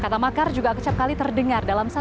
kata makar juga kecap kali terdengar dalam